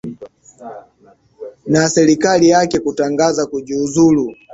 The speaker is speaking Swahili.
na serikali yake kutangaza kujiuzulu